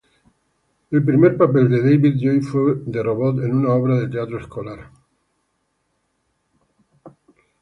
El primer papel de David-Lloyd fue de robot en una obra de teatro escolar.